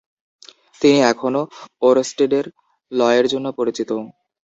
তিনি এখনো ওরস্টেডের লয়ের জন্য পরিচিত।